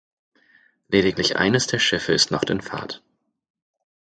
Lediglich eines der Schiffe ist noch in Fahrt.